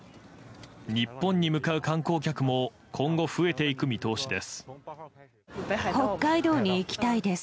日本に向かう観光客も今後、増えていく見通しです。